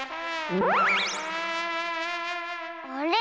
あれ？